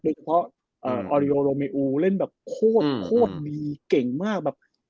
เหมือนกระป๋องออเร่อโรเมอุเล่นแบบโหดดีแก่งมาก